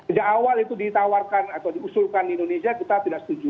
sejak awal itu ditawarkan atau diusulkan di indonesia kita tidak setuju